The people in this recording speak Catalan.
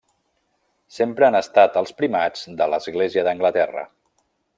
Sempre han estat els primats de l'església d'Anglaterra.